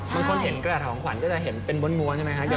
บางคนเห็นกระดาษของขวัญก็จะเห็นเป็นม้วนใช่ไหมครับ